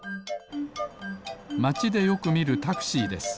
まちでよくみるタクシーです。